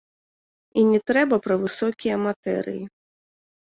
І не трэба пра высокія матэрыі.